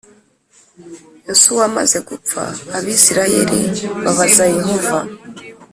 Yosuwa amaze gupfa, Abisirayeli babaza Yehova